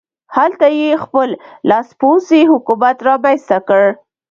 هلته یې خپل لاسپوڅی حکومت رامنځته کړ.